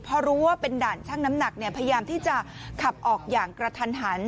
พอรู้ว่าเป็นด่านช่างน้ำหนักพยายามที่จะขับออกอย่างกระทันหัน